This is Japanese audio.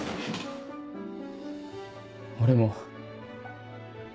俺も。